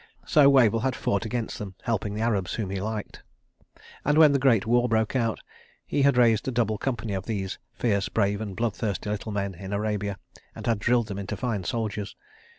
So Wavell had fought against them, helping the Arabs, whom he liked. And when the Great War broke out, he had raised a double company of these fierce, brave, and blood thirsty little men in Arabia, and had drilled them into fine soldiers.